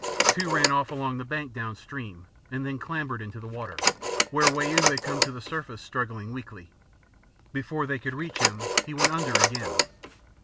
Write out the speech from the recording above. Two ran off along the bank down stream, and then clambered to the water, where Wau had come to the surface struggling weakly. Before they could reach him he went under again.